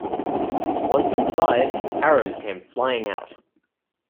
Once inside, arrows came flying out.